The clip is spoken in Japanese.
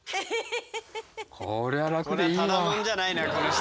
こりゃただもんじゃないなこの人。